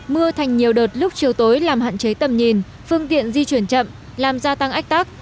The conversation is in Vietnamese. mưa thành nhiều đợt lúc chiều tối làm hạn chế tầm nhìn phương tiện di chuyển chậm làm gia tăng ách tắc